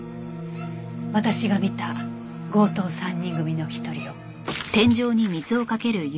私が見た強盗３人組の１人よ。